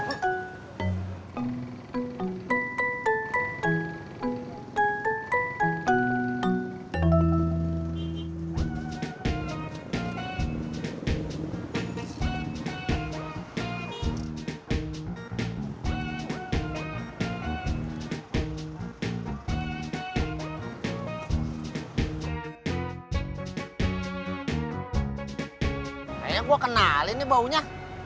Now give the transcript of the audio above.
kayaknya gue kenalin nih baunya